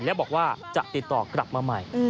แล้วบอกว่าจะติดต่อกลับมาใหม่